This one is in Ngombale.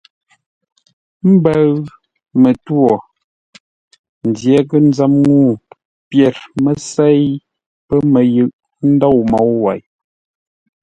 Mbəʉ mətwô, ndyəghʼ-nzəm ŋuu pyêr mə́ sêi pə̂ məyʉʼ ndôu môu wei.